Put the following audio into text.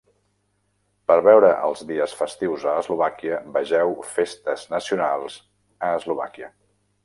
Per veure els dies festius a Eslovàquia, vegeu Festes nacionals a Eslovàquia.